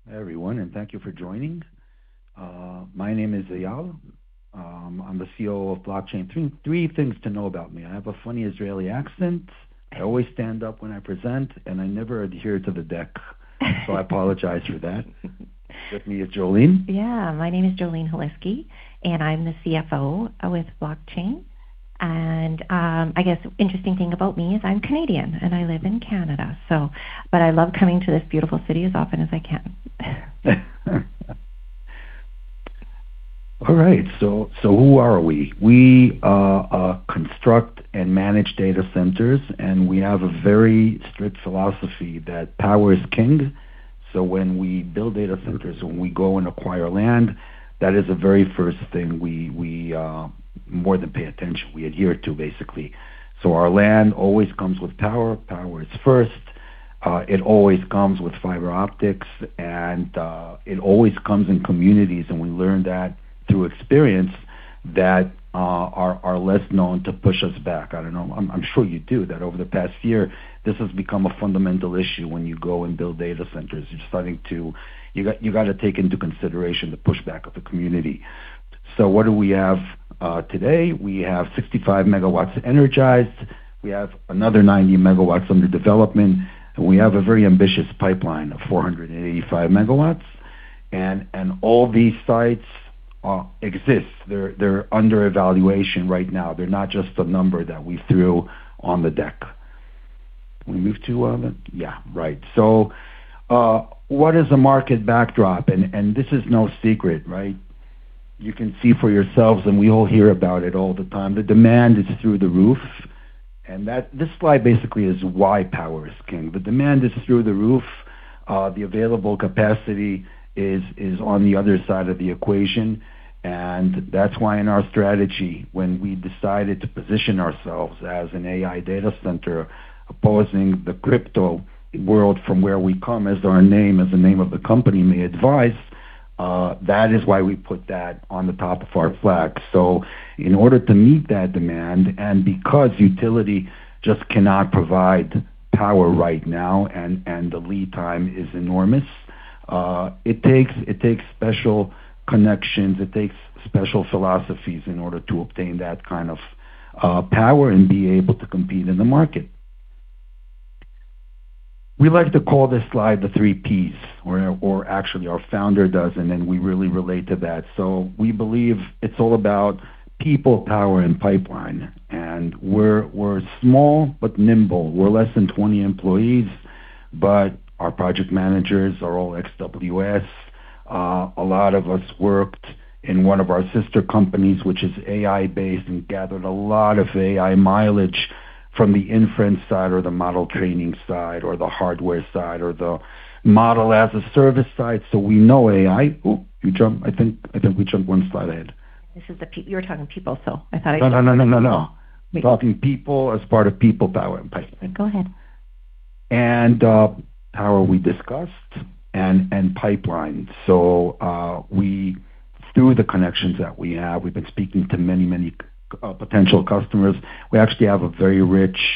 All right. Hi, everyone, and thank you for joining. My name is Eyal. I'm the COO of BlockchAIn. Three things to know about me. I have a funny Israeli accent, I always stand up when I present, and I never adhere to the deck, so I apologize for that. With me is Jolene. Yeah. My name is Jolienne Halisky, and I'm the CFO with BlockchAIn. I guess interesting thing about me is I'm Canadian, and I live in Canada. I love coming to this beautiful city as often as I can. All right. Who are we? We construct and manage data centers, and we have a very strict philosophy that power is king. When we build data centers, when we go and acquire land, that is the very first thing we more than pay attention, we adhere to, basically. Our land always comes with power. Power is first. It always comes with fiber optics, and it always comes in communities, and we learned that through experience, that are less known to push us back. I don't know. I'm sure you do, that over the past year, this has become a fundamental issue when you go and build data centers. You've got to take into consideration the pushback of the community. What do we have today? We have 65 megawatts energized, we have another 90 megawatts under development, and we have a very ambitious pipeline of 485 megawatts. All these sites exist. They're under evaluation right now. They're not just a number that we threw on the deck. Can we move two of them? Yeah, right. What is the market backdrop? This is no secret, right? You can see for yourselves, and we all hear about it all the time. The demand is through the roof, and this slide basically is why power is king. The demand is through the roof. The available capacity is on the other side of the equation. That's why in our strategy, when we decided to position ourselves as an AI data center opposing the crypto world from where we come, as our name, as the name of the company may advise, that is why we put that on the top of our flag. In order to meet that demand, because utility just cannot provide power right now, and the lead time is enormous, it takes special connections, it takes special philosophies in order to obtain that kind of power and be able to compete in the market. We like to call this slide the three Ps, or actually our founder does, and then we really relate to that. We believe it's all about people, power, and pipeline. We're small but nimble. We're less than 20 employees, but our project managers are all ex-AWS. A lot of us worked in one of our sister companies, which is AI-based, and gathered a lot of AI mileage from the inference side or the model training side or the hardware side or the model as a service side. We know AI. I think we jumped one slide ahead. You were talking people, I thought I- No. Wait. We're talking people as part of people, power, and pipeline. Go ahead. Power we discussed, and pipeline. Through the connections that we have, we've been speaking to many potential customers. It's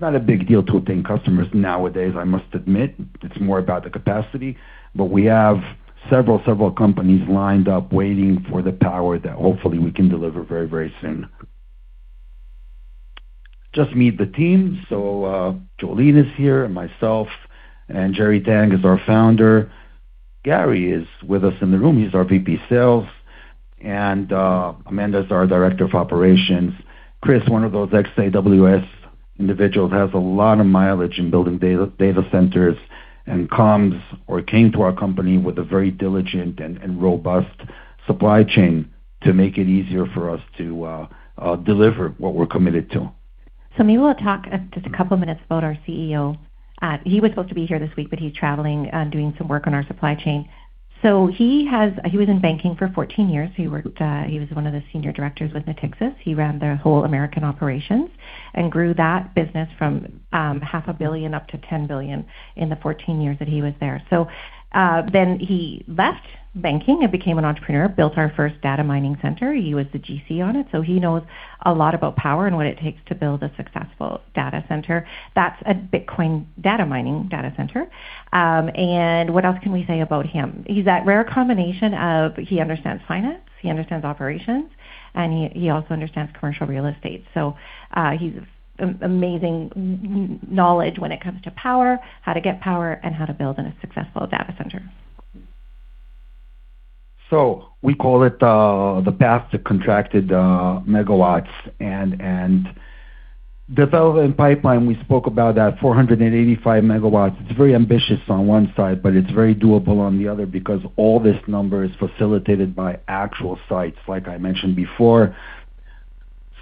not a big deal to obtain customers nowadays, I must admit. It's more about the capacity. We have several companies lined up waiting for the power that hopefully we can deliver very soon. Just meet the team. Jolene is here and myself, and Jerry Tang is our founder. Gary is with us in the room. He's our Vice President of Sales. Amanda's our Director of Operations. Chris, one of those ex-AWS individuals, has a lot of mileage in building data centers and comes, or came, to our company with a very diligent and robust supply chain to make it easier for us to deliver what we're committed to. Maybe we'll talk just a couple of minutes about our Chief Executive Officer. He was supposed to be here this week, but he's traveling, doing some work on our supply chain. He was in banking for 14 years. He was one of the senior directors with Natixis. He ran their whole American operations and grew that business from half a billion up to $10 billion in the 14 years that he was there. Then he left banking and became an entrepreneur, built our first data mining center. He was the GC on it, so he knows a lot about power and what it takes to build a successful data center. That's a Bitcoin data mining data center. What else can we say about him? He's that rare combination of he understands finance, he understands operations, and he also understands commercial real estate. He's amazing knowledge when it comes to power, how to get power, and how to build a successful data center. We call it the path to contracted megawatts. Development pipeline, we spoke about that, 485 MW. It's very ambitious on one side, but it's very doable on the other because all this number is facilitated by actual sites, like I mentioned before.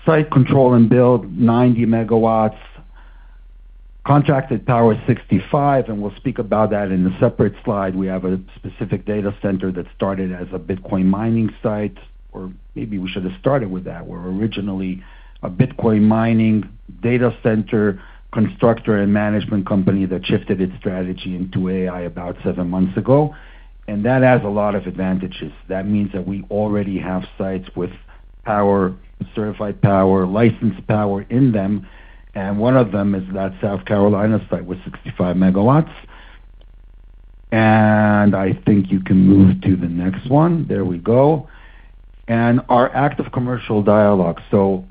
Site control and build, 90 MW. Contracted power is 65 MW, and we'll speak about that in a separate slide. We have a specific data center that started as a Bitcoin mining site. Or maybe we should have started with that. We're originally a Bitcoin mining data center constructor and management company that shifted its strategy into AI about seven months ago. That has a lot of advantages. That means that we already have sites with power, certified power, licensed power in them, and one of them is that South Carolina site with 65 MW. I think you can move to the next one. There we go. Our active commercial dialogue.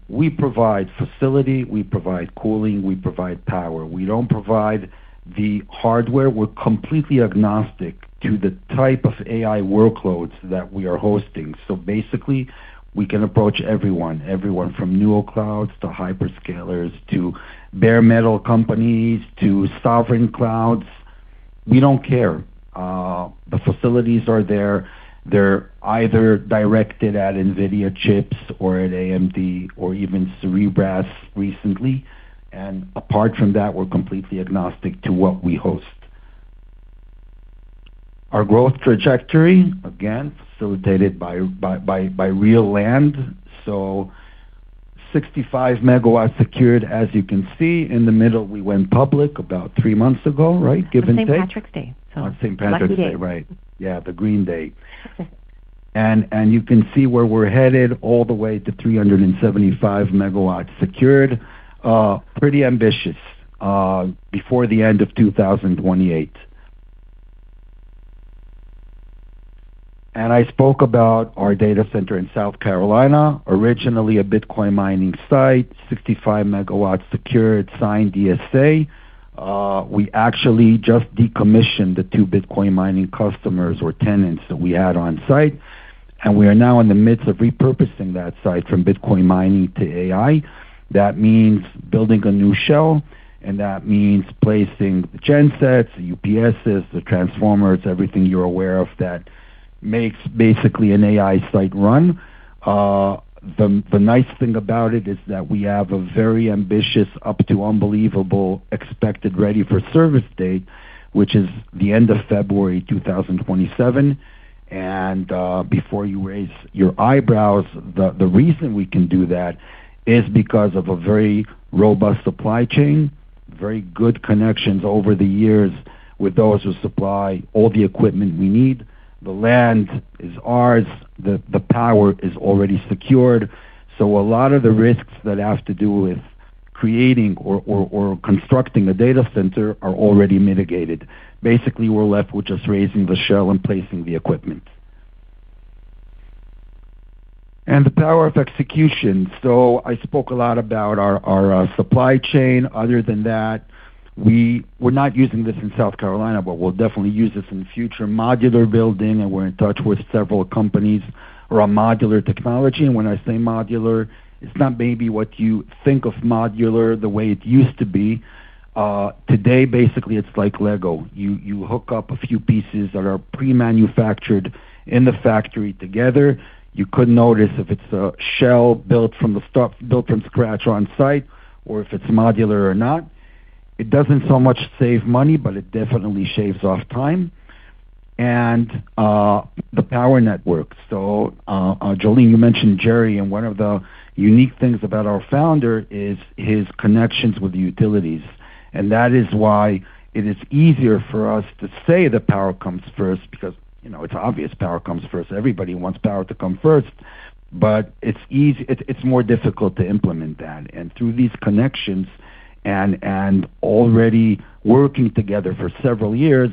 We provide facility, we provide cooling, we provide power. We don't provide the hardware. We're completely agnostic to the type of AI workloads that we are hosting. Basically, we can approach everyone from Neo Clouds to hyperscalers, to bare metal companies, to sovereign clouds. We don't care. The facilities are there. They're either directed at Nvidia chips or at AMD or even Cerebras recently. Apart from that, we're completely agnostic to what we host. Our growth trajectory, again, facilitated by real land. 65 MW secured, as you can see. In the middle, we went public about three months ago, right? Give and take. On St. Patrick's Day. On St. Patrick's Day. Lucky day. Right. Yeah, the green day. You can see where we're headed, all the way to 375 MW secured. Pretty ambitious. Before the end of 2028. I spoke about our data center in South Carolina, originally a Bitcoin mining site, 65 MW secured, signed DSA. We actually just decommissioned the two Bitcoin mining customers or tenants that we had on-site, and we are now in the midst of repurposing that site from Bitcoin mining to AI. That means building a new shell, and that means placing the gen sets, the UPSs, the transformers, everything you're aware of that makes basically an AI site run. The nice thing about it is that we have a very ambitious, up to unbelievable expected ready-for-service date, which is the end of February 2027. Before you raise your eyebrows, the reason we can do that is because of a very robust supply chain, very good connections over the years with those who supply all the equipment we need. The land is ours. The power is already secured. A lot of the risks that have to do with creating or constructing a data center are already mitigated. Basically, we're left with just raising the shell and placing the equipment. The power of execution. I spoke a lot about our supply chain. Other than that, we're not using this in South Carolina, but we'll definitely use this in the future. Modular building, and we're in touch with several companies around modular technology. When I say modular, it's not maybe what you think of modular the way it used to be. Today, basically, it's like Lego. You hook up a few pieces that are pre-manufactured in the factory together. You couldn't notice if it's a shell built from scratch on site or if it's modular or not. It doesn't so much save money, but it definitely shaves off time. The power network. Jolene, you mentioned Jerry, one of the unique things about our founder is his connections with utilities. That is why it is easier for us to say that power comes first because it's obvious power comes first. Everybody wants power to come first, but it's more difficult to implement that. Through these connections and already working together for several years,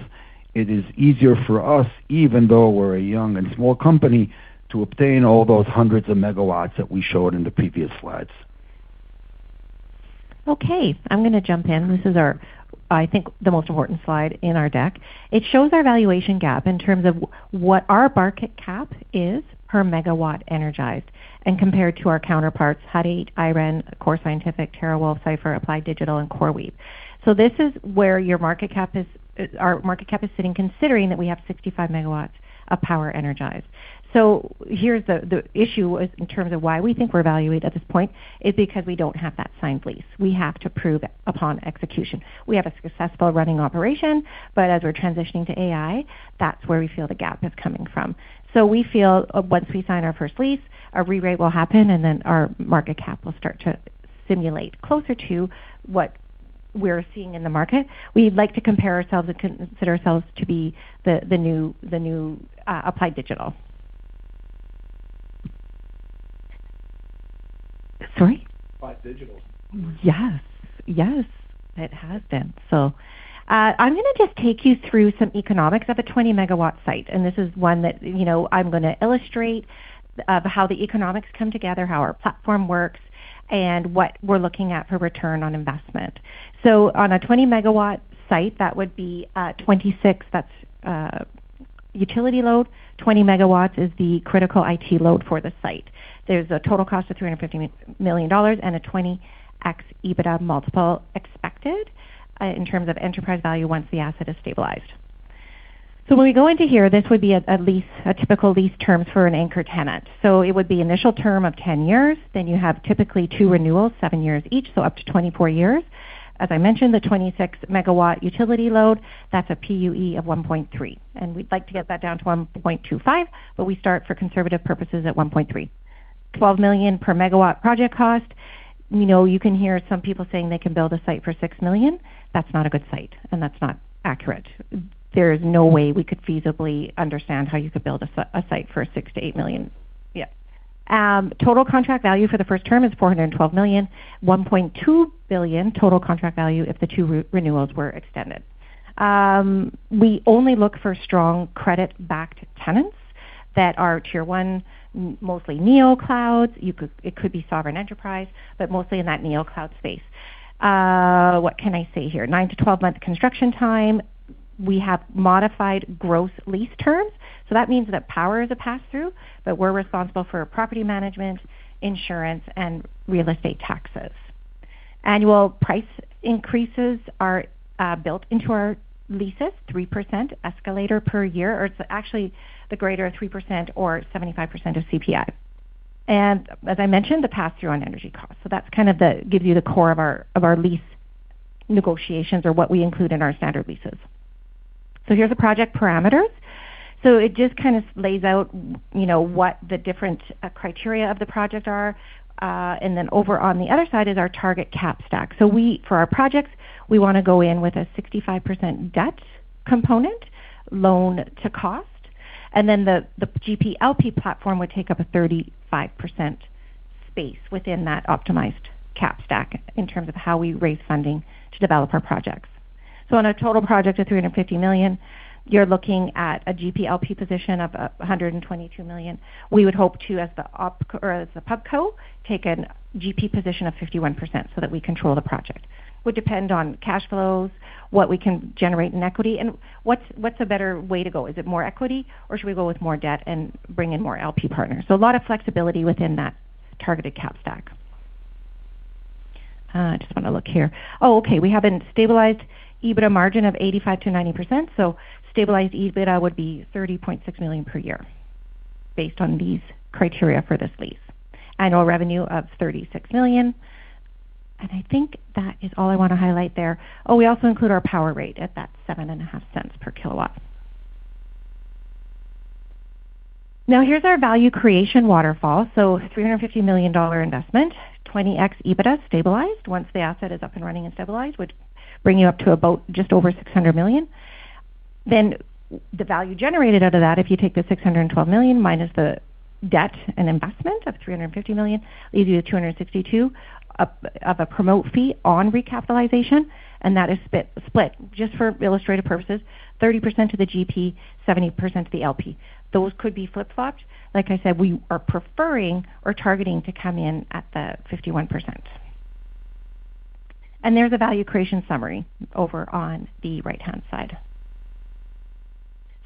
it is easier for us, even though we're a young and small company, to obtain all those hundreds of megawatts that we showed in the previous slides. Okay, I'm going to jump in. This is our, I think, the most important slide in our deck. It shows our valuation gap in terms of what our market cap is per megawatt energized and compared to our counterparts, Hut 8, IREN, Core Scientific, TeraWulf, Cipher, Applied Digital, and CoreWeave. This is where our market cap is sitting, considering that we have 65 megawatts of power energized. Here's the issue in terms of why we think we're evaluated at this point, is because we don't have that signed lease. We have to prove upon execution. We have a successful running operation, but as we're transitioning to AI, that's where we feel the gap is coming from. We feel once we sign our first lease, a rerate will happen, then our market cap will start to simulate closer to what we're seeing in the market. We'd like to compare ourselves and consider ourselves to be the new Applied Digital. Sorry? Applied Digital. Yes. It has been. I am going to just take you through some economics of a 20 MW site, and this is one that I am going to illustrate of how the economics come together, how our platform works, and what we are looking at for ROI. On a 20 MW site, that would be a 26 MW, that is a utility load. 20 MW is the critical IT load for the site. There is a total cost of $350 million and a 20x EBITDA multiple expected in terms of enterprise value once the asset is stabilized. This would be a typical lease term for an anchor tenant. It would be initial term of 10 years. You have typically 2 renewals, 7 years each, up to 24 years. As I mentioned, the 26 MW utility load, that is a PUE of 1.3, and we would like to get that down to 1.25, but we start for conservative purposes at 1.3. $12 million per meggawatt project cost. You can hear some people saying they can build a site for $6 million. That is not a good site, and that is not accurate. There is no way we could feasibly understand how you could build a site for $6 million-$8 million. Yes. Total contract value for the first term is $412 million. $1.2 billion total contract value if the 2 renewals were extended. We only look for strong credit-backed tenants that are tier 1, mostly Neo Clouds. It could be sovereign enterprise, but mostly in that Neo Cloud space. What can I say here? 9-12 month construction time. We have modified gross lease terms. That means that power is a pass-through, but we are responsible for property management, insurance, and real estate taxes. Annual price increases are built into our leases, 3% escalator per year, or it is actually the greater 3% or 75% of CPI. As I mentioned, the pass-through on energy costs. That gives you the core of our lease negotiations or what we include in our standard leases. Here is the project parameters. It just lays out what the different criteria of the project are. Over on the other side is our target cap stack. For our projects, we want to go in with a 65% debt component loan to cost. The GP/LP platform would take up a 35% space within that optimized cap stack in terms of how we raise funding to develop our projects. On a total project of $350 million, you are looking at a GP/LP position of $122 million. We would hope to, as the pub co, take a GP position of 51% so that we control the project. Would depend on cash flows, what we can generate in equity, and what is a better way to go? Is it more equity, or should we go with more debt and bring in more LP partners? A lot of flexibility within that targeted cap stack. I just want to look here. Okay. We have a stabilized EBITDA margin of 85%-90%. Stabilized EBITDA would be $30.6 million per year based on these criteria for this lease. Annual revenue of $36 million. I think that is all I want to highlight there. Oh, we also include our power rate at that $0.075 per kWh. Here is our value creation waterfall. $350 million investment, 20x EBITDA stabilized. Once the asset is up and running and stabilized, would bring you up to about just over $600 million. The value generated out of that, if you take the $612 million minus the debt and investment of $350 million, leaves you with $262 million of a promote fee on recapitalization, and that is split, just for illustrative purposes, 30% to the GP, 70% to the LP. Those could be flip-flopped. Like I said, we are preferring or targeting to come in at 51%. There's a value creation summary over on the right-hand side.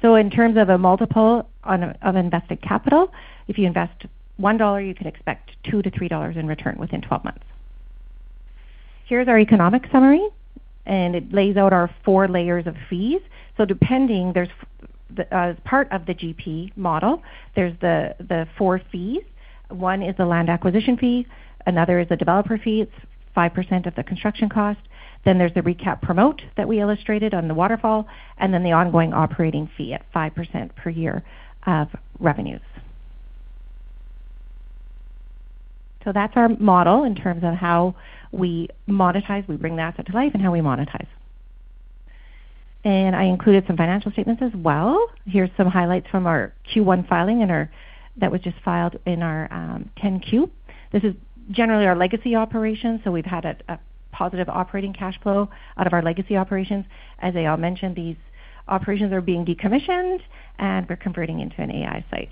In terms of a multiple of invested capital, if you invest $1, you can expect $2-$3 in return within 12 months. Here's our economic summary, and it lays out our four layers of fees. Depending, there's part of the GP model, there's the four fees. One is the land acquisition fee, another is the developer fee. It's 5% of the construction cost. Then there's the recap promote that we illustrated on the waterfall, and then the ongoing operating fee at 5% per year of revenues. That's our model in terms of how we bring the asset to life and how we monetize. I included some financial statements as well. Here's some highlights from our Q1 filing that was just filed in our 10-Q. This is generally our legacy operations. We've had a positive operating cash flow out of our legacy operations. As Eyal mentioned, these operations are being decommissioned, and we're converting into an AI site.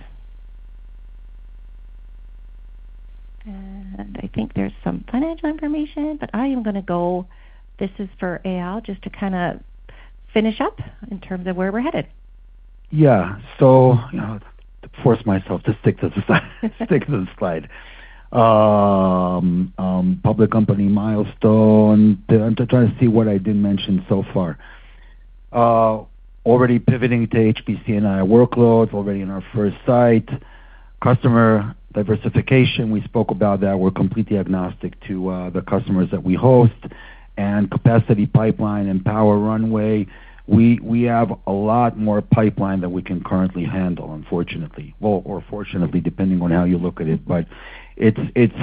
I think there's some financial information. This is for Eyal, just to finish up in terms of where we're headed. Force myself to stick to the slide. Public company milestone. I'm trying to see what I didn't mention so far. Already pivoting to HPC and AI workloads, already in our first site. Customer diversification, we spoke about that. We're completely agnostic to the customers that we host. Capacity pipeline and power runway. We have a lot more pipeline than we can currently handle, unfortunately. Or fortunately, depending on how you look at it. It's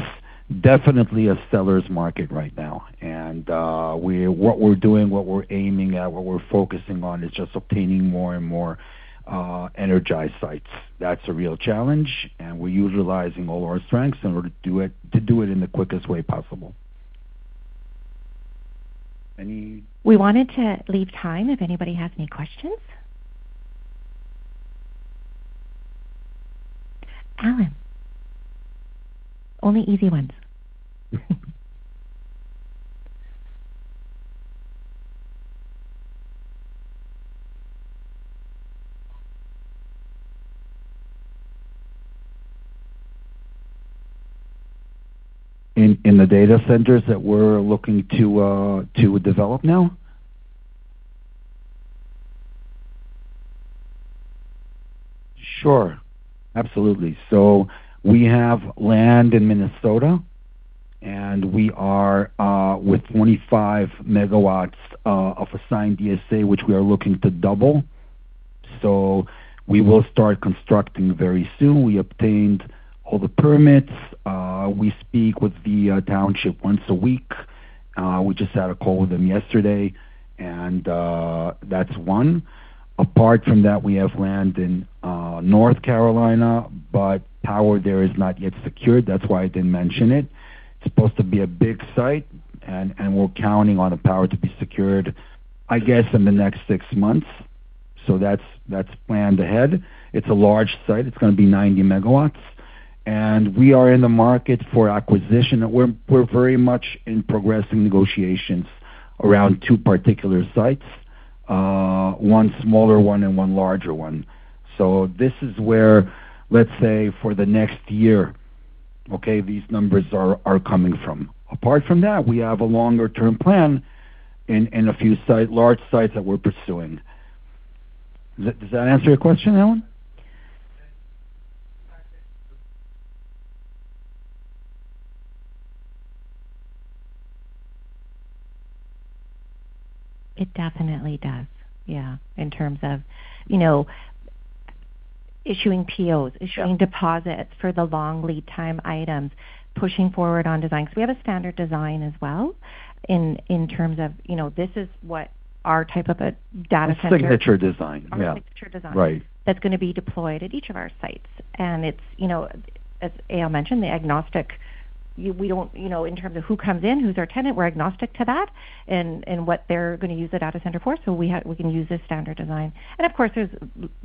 definitely a seller's market right now. What we're doing, what we're aiming at, what we're focusing on is just obtaining more and more energized sites. That's a real challenge, and we're utilizing all our strengths in order to do it in the quickest way possible. We wanted to leave time if anybody has any questions. Alan. Only easy ones. In the data centers that we're looking to develop now? Sure. Absolutely. We have land in Minnesota, and we are with 25 megawatts of assigned DSA, which we are looking to double. We will start constructing very soon. We obtained all the permits. We speak with the township once a week. We just had a call with them yesterday, that's one. Apart from that, we have land in North Carolina, power there is not yet secured. That's why I didn't mention it. It's supposed to be a big site, we're counting on the power to be secured, I guess, in the next six months. That's planned ahead. It's a large site. It's going to be 90 megawatts. We are in the market for acquisition. We're very much in progressing negotiations around two particular sites, one smaller one and one larger one. This is where, let's say, for the next year, these numbers are coming from. Apart from that, we have a longer-term plan, a few large sites that we're pursuing. Does that answer your question, Alan? It definitely does, yeah. In terms of issuing POs, issuing deposits for the long lead time items, pushing forward on design. We have a standard design as well in terms of, this is what our type of a data center. A signature design. Yeah. Our signature design. Right. That's going to be deployed at each of our sites. As Eyal mentioned, in terms of who comes in, who's our tenant, we're agnostic to that and what they're going to use the data center for. We can use this standard design. Of course,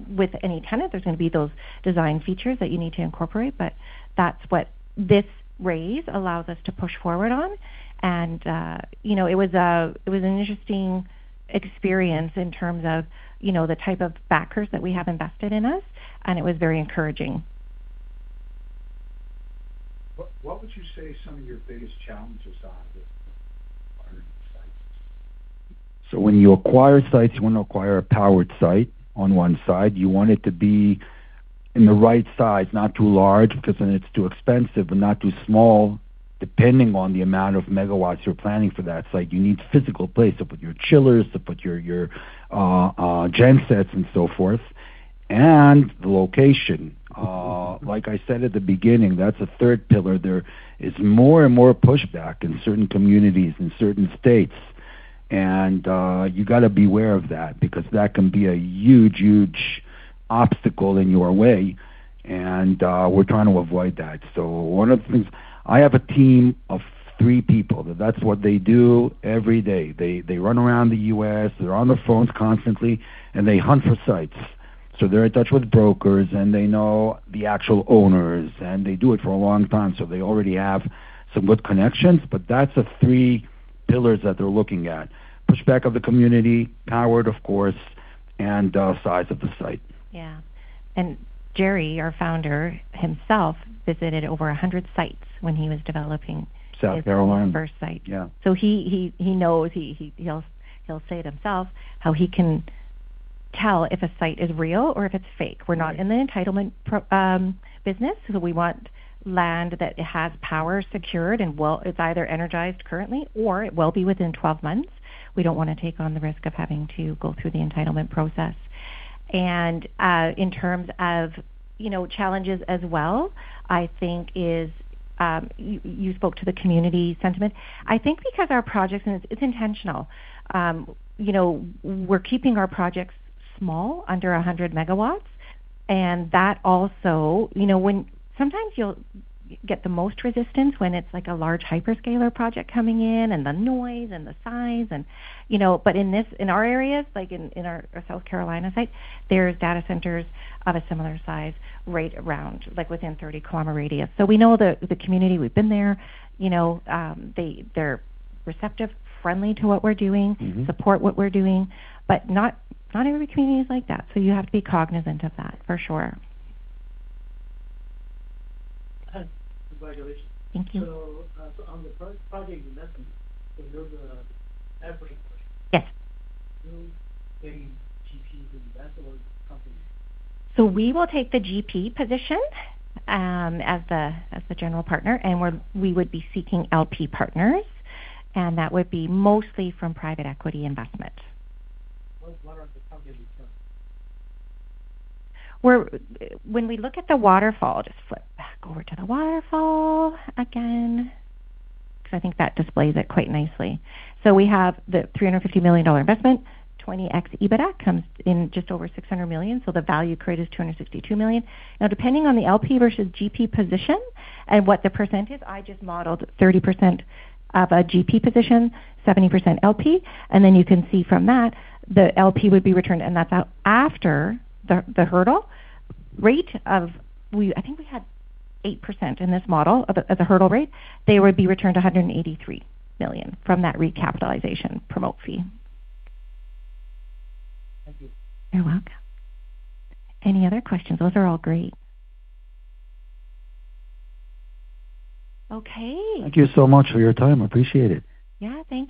with any tenant, there's going to be those design features that you need to incorporate, but that's what this raise allows us to push forward on. It was an interesting experience in terms of the type of backers that we have invested in us, and it was very encouraging. What would you say some of your biggest challenges are with acquiring sites? When you acquire sites, you want to acquire a powered site on one side. You want it to be in the right size, not too large, because then it's too expensive, and not too small, depending on the amount of megawatts you're planning for that site. You need physical place to put your chillers, to put your gen sets and so forth. The location. Like I said at the beginning, that's a third pillar. There is more and more pushback in certain communities, in certain states, and you got to be aware of that, because that can be a huge obstacle in your way. We're trying to avoid that. One of the things, I have a team of three people. That's what they do every day. They run around the U.S., they're on the phones constantly, and they hunt for sites. They're in touch with brokers, and they know the actual owners, and they do it for a long time, so they already have some good connections. That's the three pillars that they're looking at. Pushback of the community, powered, of course, and size of the site. Yeah. Jerry, our founder himself, visited over 100 sites when he was developing- South Carolina his very first site. Yeah. He knows. He'll say it himself how he can tell if a site is real or if it's fake. We're not in the entitlement business. We want land that has power secured, and it's either energized currently or it will be within 12 months. We don't want to take on the risk of having to go through the entitlement process. In terms of challenges as well, you spoke to the community sentiment. I think because our projects, and it's intentional, we're keeping our projects small, under 100 MW. That also, sometimes you'll get the most resistance when it's a large hyperscaler project coming in, and the noise and the size. In our areas, like in our South Carolina site, there's data centers of a similar size right around, within 30-kilometer radius. We know the community. We've been there. They're receptive, friendly to what we're doing. Support what we're doing, not every community is like that. You have to be cognizant of that, for sure. Congratulations. Thank you. On the project investment, those are every quarter. Yes. Who, the GPs invest or the company? We will take the GP position as the general partner, and we would be seeking LP partners, and that would be mostly from private equity investment. What is the company return? When we look at the waterfall. Just flip back over to the waterfall again, because I think that displays it quite nicely. We have the $350 million investment, 20x EBITDA comes in just over $600 million. The value created is $262 million. Depending on the LP versus GP position and what the % is, I just modeled 30% of a GP position, 70% LP. You can see from that, the LP would be returned, and that's after the hurdle rate of, I think we had 8% in this model as a hurdle rate. They would be returned $183 million from that recapitalization promote fee. Thank you. You're welcome. Any other questions? Those are all great. Okay. Thank you so much for your time. Appreciate it. Yeah. Thank you.